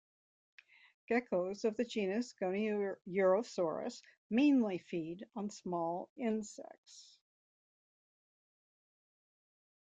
Geckos of the genus "Goniurosaurus" mainly feed on small insects.